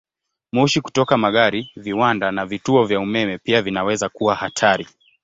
Moshi kutoka magari, viwanda, na vituo vya umeme pia vinaweza kuwa hatari.